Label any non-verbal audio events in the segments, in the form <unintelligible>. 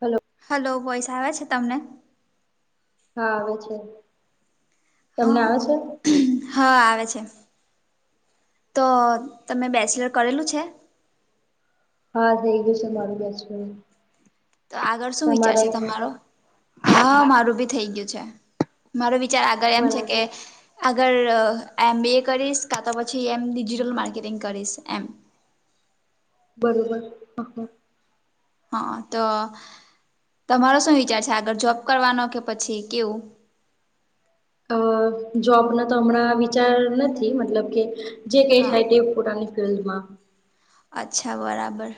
Hello hello voice આવે છે તમને? હા આવે છે તમને હા આવે છે હા આવે છે તો તમે બેચલર કરેલું છે હા થઈ ગયું છે મારું બેચલર તો આગળ શું વિચાર તમારે છે તમારો હા મારું ભી થઇ ગયું છે મારો વિચાર આગળ એમ છે બરાબર કે આગળ એમ બી એ કરીશ કા તો પછી એમ ડિજિટલ માર્કેટિંગ કરીશ એમ બરોબર હ હા તો તમારો શું વિચાર છે આગળ જોબ કરવાનો કે પછી કેવું અ જોબ ન તો હમણાં વિચાર નથી મતલબ કે જે કઈ હા થાય તે પુરાની <unintelligible> અચ્છા બરાબર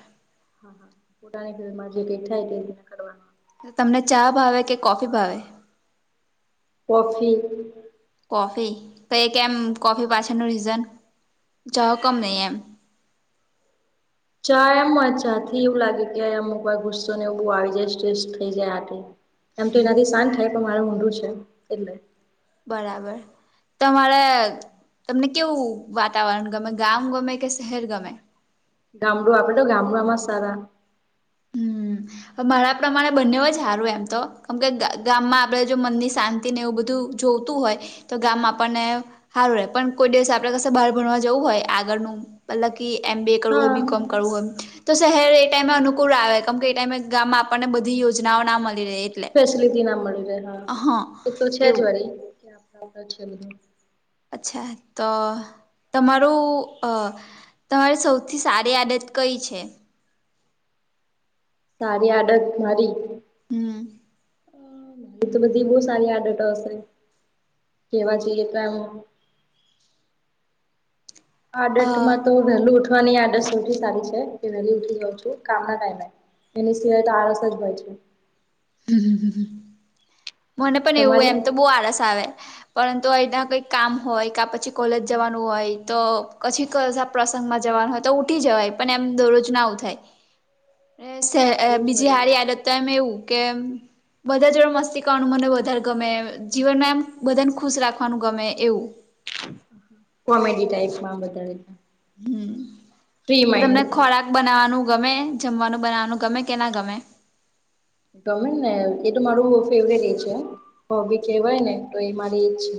<unintelligible> થાય તે કરવાનું તમને ચા ભાવે કે કોફી ભાવે કોફી કોફી તો એ કેમ કોફી હા પાછળનું રીઝન ચા હું કામ નહી એમ ચા એમ ચાથી એવું લાગે કે અમુક વાર ગુસ્સો ને એવું આવી જાય સ્ટ્રેસ થઈ જાય આ એમ તો એનાથી શાંત થાય પણ મારું મોઢું છે એટલે બરાબર તમારે તમને કેવું વાતાવરણ ગમે ગામ ગમે કે શહેર ગમે ગામડું આપડે તો ગામડામાં સારા હ મારા પ્રમાણે બંને જ સારું એમ તો કેમકે ગામમાં આપડે જો મનની શાંતિ તી ને એવું બધું જોતું હોય તો ગામ માં આપણને સારું રહે પણ કોઈ દિવસ આપણે પાસે બહાર ભણવા જવું હોય આગળનું પલક એમ બી એ કરવું હોય બી કોમ હા કરવું હોય તો શહેર એ ટાઈમ અનુકૂળ આવે કેમ કે એ ટાઈમે ગામ આપણને બધી યોજનાઓ ના મલી રે એટલે હા <unintelligible> એ તો છે જ એવું વારી અચ્છા તો તમારું અ તમારી સૌથી સારી આદત કઈ છે સારી આદત મારી હમ મારી તો બધી બહ સારી આદતો હશે કેવા જોઈએ તો આમ અ આડત માં તો વહેલું ઉઠવાની આડત સૌથી સારી છે વહેલી ઉઠી જઉં છું કામ ના ટાઈમે એના સિવાય તો આળસ જ હોય છે મને પણ એવું હો તમારી એમ તો બહુ આળસ આવે પરંતુ અહીના કંઈક કામ હોય કા પછી કોલેજ જવાનું હોય તો પછી <unintelligible> પ્રસંગમાં જવાનું હોય તો ઉઠી જવાય પણ એમ દરરોજ ના ઉઠાય હા એવું જ બીજી વરી હારી આદત તો એમ એવું કે બધા જોડે મસ્તી કરવાનું મને વધારે ગમે જીવનમાં એમ બધાને ખુશ રાખવાનું ગમે એવું <unintelligible> કોમેડી ટાઈપમાં બધુંય હમ તમને ખોરાક બનાવવાનું ગમે જમવાનું બનાવાનું ગમે કે ના ગમે ગમે ને એ તો મારું ફેવરેટ એ છે હોબી કેહેવાય ને તો એ મારી એજ છે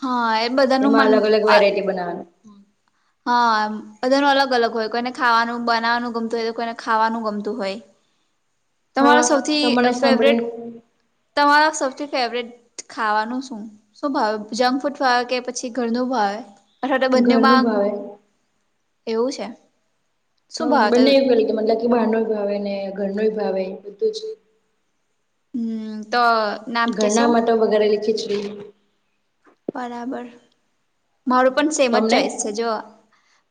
હા એ બધા એમાં અલગ અલગ વેરાયટી બનાવાનું. હા બધાનું અલગ અલગ હોય કોઈને ખાવાનું, બનાવાનું ગમતું હોય તો, કોઈને ખાવાનું ગમતું હોય. તમારો હા સૌથી તો મને ફેવરેટ સાંભળી તમારા સૌથી ફેવરેટ ખાવાનું શું? શું ભાવે જંક ફૂઠ ભાવે કે પછી ઘરનું ભાવે? અથવા તો ઘરનું બંનેમાં ભાવે એવું છે? શું હમ્મ ભાવ તો બંને એવ કરે કે મતલબ કે ભાંડન કરે ને ઘર નું ઈ ભાવે બધું જ. હમ તો નામ કેશો ઘરના માટે વગેરેલી ખીચડી. બરાબર મારું પણ સેમ જ તમને ચોઈસ છે જો.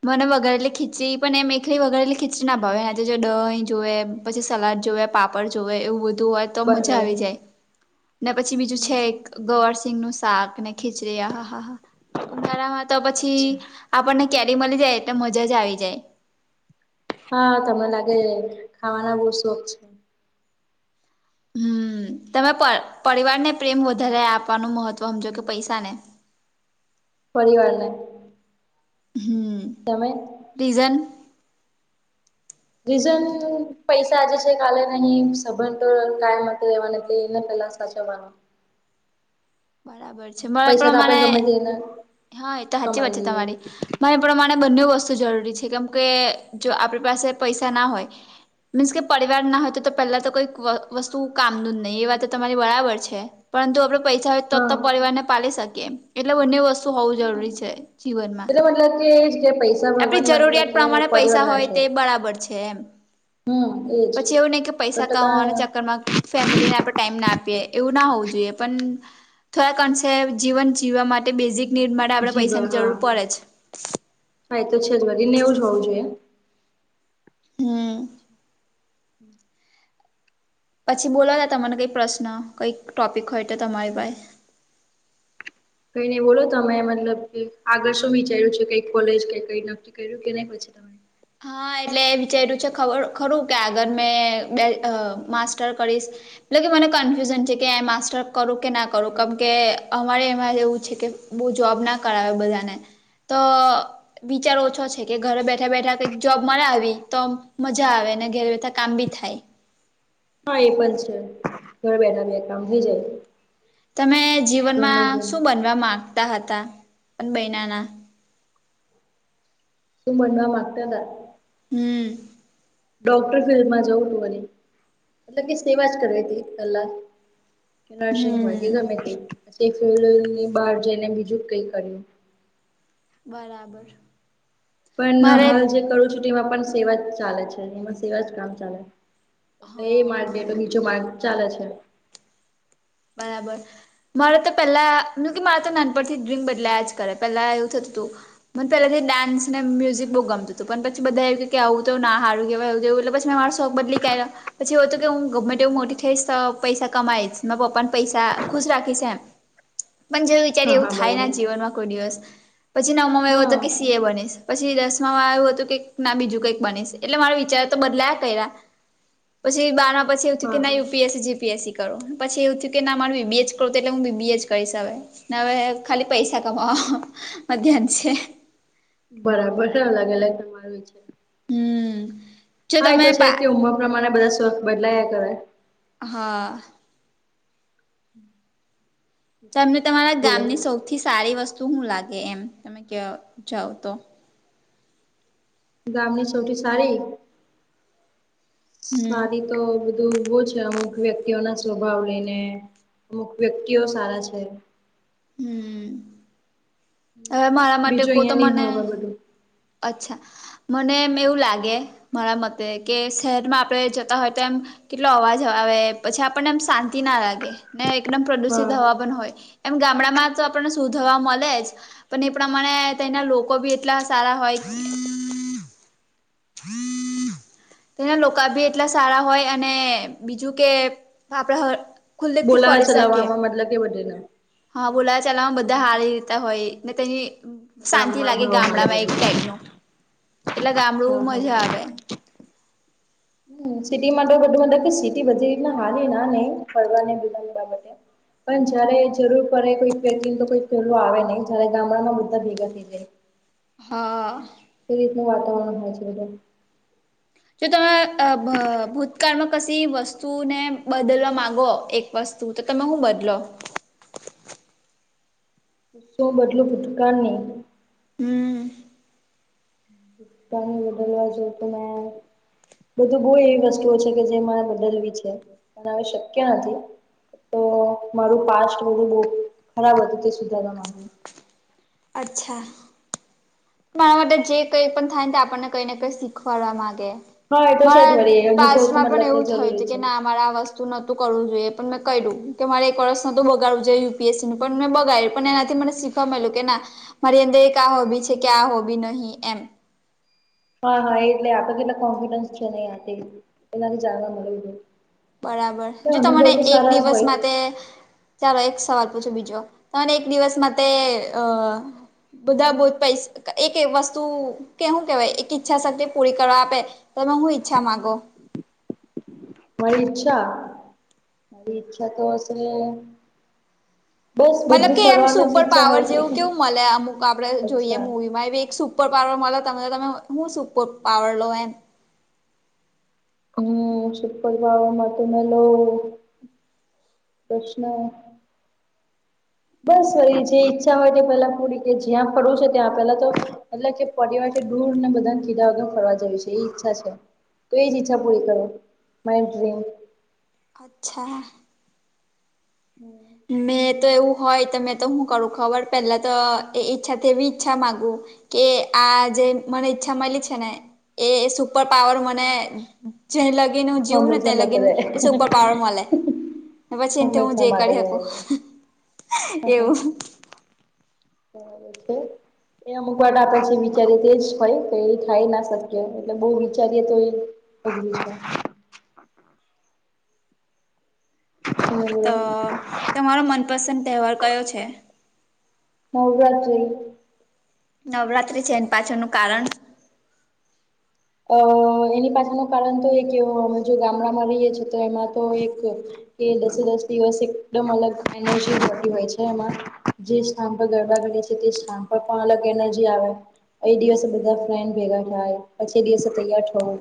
મને વગરે એટલી ખીચી પણ એમ એકલી વગર એટલી ખીચડી ના ભાવે આજે જો દહીં જોએ. પછી સલાડ જોએ પાપડ જોવેએ એવું બધું હોય. તો મજા બરાબર આવી જાય ને પછી બીજું છે હમ એક. ગવર સિંગ નું શાક ને ખીચડી હા હા હા હા ઉનાળા માં તો પછી. અચ્છા આપણને કેરી મળી જાય, એટલે મજા જ આવી જાય! હા, તમને લાગે ખાવાના બહ શોખ છે. હમ્મ તમે પ પરિવારને પ્રેમ વધારે આપવાનું મહત્વ સમજો કે પૈસાને? <inaudible> પરિવારને. હમ્મ. તમે? રીઝન? રીઝન પૈસા આજે છે કાલે નહી સંબંધ તો કાયમ માટે રેવાની એટલે એને પેલા. બચવાનો બરાબર છે મારાં પૈસા તો આપણે પ્રમાણે ગમે તેને હા એ તો હાચી કમાઈ વાત છે તમારી! લઈએ મારા પ્રમાણે બંને વસ્તુ જરૂરી છે કેમ કે જો આપણી પાસે પૈસા ના હોય મીન્સ કે પરિવાર ના હોય તો તો પહેલા તો કોઈક વ વસ્તુ કામનું જ નહી એ વા તો તમારી બરાબર છે. પરંતુ આપડે પૈસા હોય તો હા તો પરિવાર ને પાલી શકીએ એટલે બંને વસ તુ હોઉં જરૂરી હમ છે જીવનમાં એટલે મતલબ કે એજ કે પૈસા આપડી ભગવાન મતલબ જરૂરિયાત કે પ્રમાણે પરિવાર પૈસા ના હોય. છે તે બરાબર છે એમ હમ એજ પછી એવું નહી કે સો પૈસા ટકા કમાવાના ચક્કર માં ફેમિલીને આપણે ટાઈમ ના આપીએ એવું ના હોવું જોઈએ પણ થોડા કન્સે જીવન જીવવા માટે બેઝિક નીડ માટે આપણે જીવા પૈસાની હા જરૂર પડે જ. હા એ તો છે જ ભરી ને એવ જ હોવું જોઈએ. હમ્મ. પછી બોલવાતા તમને કઈક પ્રશ્ન કઈક ટોપિક હોય તો તમારી પાહે કઈ નઈ બોલો તમે મતલબ કે આગળ શું વિચાર્યું છે કઈ કોલેજ કે કઈ ન કર્યું કે નઈ પછી તમે? હા, એટલે એ વિચાર્યું છે ખબર ખરું કે આગળ મેં બે અહ માસ્ટર કરીશ. એલે કે મને કન્ફ્યુઝન છે કે આ માસ્ટર કરું કે ના કરું કેમ કે, અમારે એમાં એવું છે કે. બહ જોબ ના કરાવે બધાને તો વિચાર ઓછો છે કે ઘરે બેઠા બેઠા કઈક જોબ મારે આવી તો મજા આવે અને ઘેર બેથા કામ બી થાય. હા, એ પણ છે ઘરે બેઠા બે કામ થઈ જાય. તમે ઘરનું જીવનમાં ઘર શું બનવા માંગતા હતા પણ બયના ના? શું મવા માગતા તા? હમ્મ. ડોક્ટર ફિલ્ડમાં જવું હતું મને એટલે કે સેવાજ કરવી હતી કલાક. કે નર્સિંગ હોય કે હમ ગમે તે પછ ફિલ્ડ ની બહાર જઈને બીજું જ કઈ કર્યું. બરાબર! પણ મારે હાલ જે કરું છું એમાં પણ સેવા જ ચાલે છે એમાં સેવા જ કામ ચાલે. એટલે એ હા માર્ગેટ બીચો માર્ગ ચાલે છે. બરાબર! મારે તો પેલા ન કે મારે તો ના. ઉપર થી ડ્રીમ બદલાયા જ કરે પેલા એવું થતું હતું. મને પેલાથી ડાન્સને મ્યુઝિક બહુ ગમતું હતું પણ પછીધ એું કે આવું ના હારું કેવાયું એટલે. મારો શોખ બદલીયા પી એ હતો કે હું હા મોટી થઈશ તો પૈસા કમાઈ પપ્પા ને પૈસા ખુશ રાખી છે એમ પણ જે. અત્યારે એવું હા થાય ના બરાબર જીવનમાં કોઈ દિવસ પછી ના ઉમાં એવો હા હતો કે સી એ બનીશ. પછી દસમામાં આવું હતું કે ના બીજું કઈક બની એટલે મારો વિચાર તો બદલાયા કર્યા. પછી બારમાં પછી એવું થું કે હા ના યુપીએસસી જીપીએસસી કરો. પછી એવું થયું કે ના મારવી બેજ કરું એટલે હું બી બેજ કરીશ સવે હવે ખાલી પૈસા કમા મધ્યાહન છે. બરાબર છે લાગે તમારું છે હમ જો હા એ તમે તો પા છે ઉમર પ્રમાણે બધા સ્વખ બદલાયા કરે. હા. હમ. તમને તમારા ગામની સૌથી સારી વસ્તુ શું લાગે એમ તમે ક જાવ તો. ગામની સૌથી સારી. હમ સારી તો બધું ભું છે અમુક અમુક વ્યક્તિઓના સ્વભાવ લઈને અમુક વ્યક્તિઓ સારા છે. હમ. હવે મારા માટે બીજું કો તો અહિયાં નહિ મને હવે બધું. અચ્છા. મને એમ એવું લાગે મારા મતે કે શહેરમાં આપણે જતા હોય તો એમ કેટલો અવાજ આવે પછી આપણને એમ શાંતિ ના લાગે ને એકદમ પ્રદુષિત હા હવા પણ હોય. એમ ગામડામાં તો આપણને શું થવા મળે જ પણ એ પ્રમાણે તના લોકો બી એટલા સારા. ફય <unintelligible> હ. તેના લોકાભ્ય એટલા સારા હોય અને બીજું કે આપણા. બોલાવા ચલાવવામાં મતલબ કે બધેને. હા બોલા ચાલ બધા હારી લેતા હોય ને તેની શાંતિ ગામમાં લાગે ભાવ મળે ગામડામાં એક ટાઈપ બધું. નું એટલે હા ગામડું હા મજા આવે. સિટી માટે બધું સિટી બધી રી હા એ ના નહી ફરવા બધાની બાબ પણ જયારે જરૂર પડે કોઈ વ્યક્તિને તો કોઈ પેલો આવે નહી જયારે ગામડામાં બધા ભેગા થઈ જાય. હા. કે રીતનું વાતાવરણ વય છે બધમ જો તમે અભ ભૂતકાળમાં. કશી વસ્તુને બદલવા માગો એક વસ્તુ તો તમે હું બદલો. શું બદલું ભૂતકા નહી. હમ. તણી બદલવા જો તો મેં. બધું બહુ એવી વસ્તુઓ છે કે જે મારે બદલવી છે પણ હ શક્ય નથી. તો મારું પાસ્ટ બધું બહુ ખરાબ હતું તે સુધાર. અચ્છા. મારા હા માટે જે કઈ પણ થાય ને આપણને કઈને કઈ શીખવાડવા માંગે. હા એ તો છે જ મારા વળી અનુભવ તો પાસ્ટમાં પણ મતલબ કે એવું થયું જરૂરી હતું કે છે. ના મારે આ વસ્તુ નતું કરવું જોઈએ પણ મેં કયરુ કે મારે એક વરસ નતુ બગાડવું જોઈએ યુપીએસસીનું પણ મેં બગાડ્યું પણ એનાથી મને શીખ વા મયલુ કે ના મારી અંદર એક આ હોબી છે કે આ હોબી નહી એમ. હા હા એટલે આપ કેટલા કોન્ફિડન્સ છે નહી એનાથી જાણવા મળ જો. બરાબર જો તે મને એક જ દિવસ હોય માટે ચાલો એક સવાલ પૂછો બીજો તને એક દિવસમાં તે અ બધા બુ પૈસ એક વસ્તુ કે હું કેવાય એક ઈચ્છા શક્તિ પૂરી કરવા આપે તમે હું ઈચ્છા માંગો? મારી ઈચ્છા મારી ઈચ્છા તો હશે બસ મતલબ બધું કે એમ ફરવાનું જ સુપર ઈચ્છા પાવર હોય કે જેવું કેવું મળે અમુક આપડે જોઈએ અચ્છા મૂવી માં એ એક સુ સુપર પાવર મળે તો તમે હું શુ સુપર પાવર લો એમ. હું સુપર પાવર મળે તો પેલો પ્રશ્ન બસ વરી જે ઈચ્છા હોય તે પેલા પૂરી કે જ્યાં ફડું છે ત્યાં પેલાતો એટલે કે પરિવાર દૂરને બધાને કીધા વગર ફરવા જવી છે એ ઈચ્છા છે. તો એજ ઈચ્છા પૂરી કરો મેન ડ્રિમ. અચ્છા. <inaudible> મેં તો એવું હોય તો મેં તો હું કરું ખબર પહેલાંતો એ ઈચ્છાથી એવી ઈચ્છા માગું કે આજે મને ઈચ્છા મળી છે ને એ સુપર પાવર મને જ્યાં લગીન હું જીવું ને હંમેશા ત્યાં માટે લગીન રહે સુપર પાવર મલે પછી એ હું હંમેશા જે માટે કરી હક રહે એવું. <unintelligible> એ અમુક વાર આપડે જે વિચારીએ તે જ હોય કે એ થાય ના શકીએ એટલે બહુ વિચારીએ તોય <inaudible> હા તો છે. તમારો મનપસંદ તહેવાર કયો છે. નવરાત્રી નવરાત્રી છે એને પાછળનું કારણ. અ એની પછળનું કારણ તો એક એવો અમે જો ગામડામાં રહીએ છે તો એમાં તો એક કે દસે દસ દિવસ એકદમ અલગ એનર્જી જોતી હોય છે એમાં. જે સ્થાન પર ગરબા રમે છે તે સ્થાન પર પણ અલગ એનર્જી આવે. એ દિવસે બધા ફ્રેન્ડ ભેગા થાય પછી દિવસે તૈયાર થવું.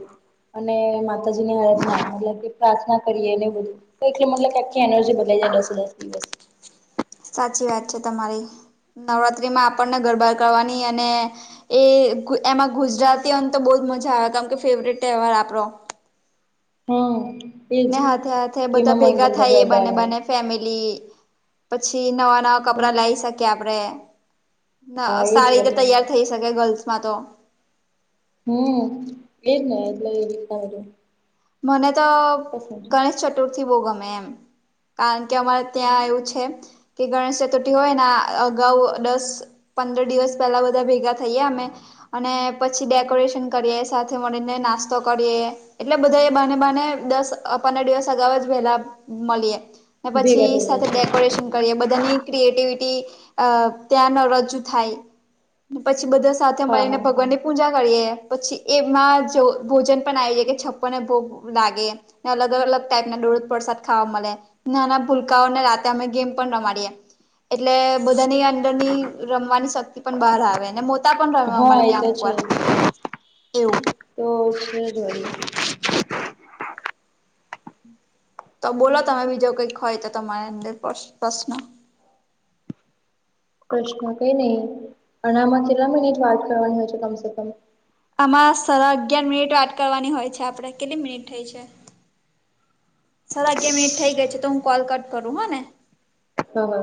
અને માતાજીની આરાધના એટલે કે પ્રાર્થના કરીએ ને બધું તો એટલે મતલબ કે આખી એનર્જી બદલાય જાય દસે દસ દિવસ સાચી વાત છે તમારી નવરાત્રીમાં આપણને ગરબાર કરવાની અને એ એમાં ગુજરાતી એમ તો બવ જ મજા આવે કેમ કે ફેવરેટ તહેવાર આપડો. હમ. એજ ને હાથે હાથે બધા કેમાં મન ભેગા ગમતા થાય એ બાને ગરબાનું બાને ફેમિલી પછી નવા નવા કપડા લાઈ શકી આપડે. ના હા એજ સારી રીતે વરી તૈયાર થઈ શકે ગર્લ્સમાં તો. હમ એ જ ને એટલે એ રીતના બધું. મને તો પસંદ છે ગણેશ ચતુર્થી બહુ ગમે એમ કારણ કે અમારે હમ ત્યાં એવુ છે. કે ગણેશ ચતુર્થી હોય ને અગાઉ દસ પંદર દિવસ પહેલા બધા ભેગા થઈએ અમે અને પછી ડેકોરેશન કરીએ સાથે મળીને નાસ્તો કરીએ એટલે બધા બાને બાને દસ પંદર દિવસ અગાઉજ વેલા મળીએ. અને પછી ભેગા થઈ જાય સાથે છે ડેકોરેશન. એ બધાની ક્રિએટીવીટી અ ત્યાં રજૂ થાય પછી બધા. સાથે હા મળીને ભગવાન ની પૂજા કરીએ પછી એમાં જો ભોજન પણ આવી કે છપ્પ. ને ભોગ લાગેને અલગ અલગ ટાઈપના દોડ પ્રસાદ ખાવા મળે. નાના ભૂલકાઓને રાતે અમે ગેમ પણ રમાડીએ એટલે બધાની દ. અંડરની રમવાની શક્તિ પણ બહાર આવે અને મોતાા પણ રમે હા અમારે હા એ ત્યાં તો અમુક છે વાર. એવું. <unintelligible> તો બોલો તમે બીજું કઈક હોય તો તમારી અંદર પ્રશ્ન. પ્રશ્ન કઈ નહી અને આમાં કેટલા મિનટ વાત કરવાની હોય છે કમસે કમ. આમાં સારા અગિયાર મિનિટ વાત કરવાની હોય છે આપડે કેટલી મિનિટ થઈ છે. સાડા અગિયાર મિનિટ થઇ ગઈ છે તો હું કોલ કટ કરું હને. હા હા.